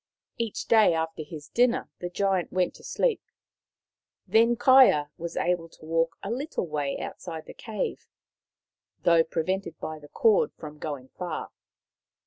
Each day after his dinner the Giant went to sleep. Then Kaia was able to walk a little way outside the cave, though prevented by the cord from going far.